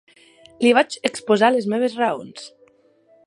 Li vaig exposar les meves raons.